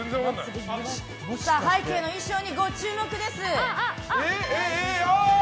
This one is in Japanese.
背景の衣装にご注目です。